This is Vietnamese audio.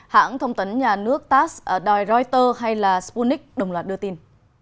hãng thông tấn nhà nước tass đòi reuters hay sputnik đồng loạt đưa tin